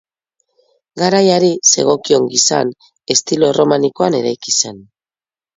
Garai hari zegokion gisan estilo erromanikoan eraiki zen.